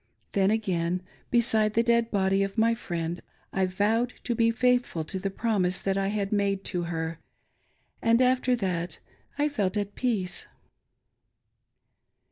Then again, beside the dead body of my friend, I vowed to be faithful to the promise that I had made to her ; and after that I felt at peace.